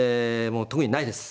もう特にないです。